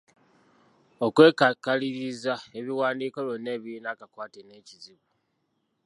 Okwekakaliriza ebiwandiiko byonna ebirina akakwate n’ekizibu